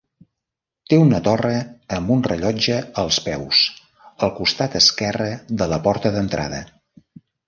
Té una torre amb un rellotge als peus, al costat esquerre de la porta d'entrada.